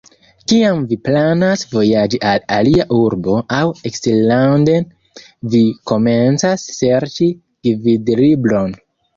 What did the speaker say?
Kiam vi planas vojaĝi al alia urbo aŭ eksterlanden, vi komencas serĉi gvidlibron.